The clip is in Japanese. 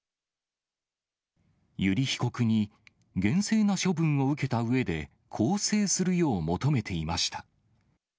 油利被告に、厳正な処分を受けたうえで、更生するよう求めていました。